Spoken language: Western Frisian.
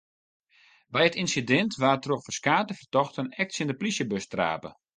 By it ynsidint waard troch ferskate fertochten ek tsjin de plysjebus trape.